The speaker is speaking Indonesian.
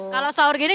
kalau sahur gini